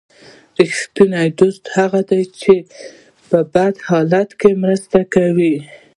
رښتینی دوست هغه دی چې په بد حال کې مرسته وکړي.